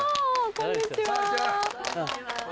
こんにちは。